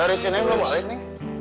eh disini gue balik nih